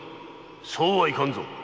そうはいかんぞ。